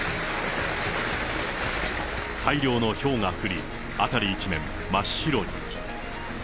大量のひょうが降り、辺り一面真っ白に。